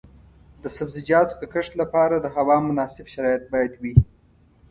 د سبزیجاتو د کښت لپاره د هوا مناسب شرایط باید وي.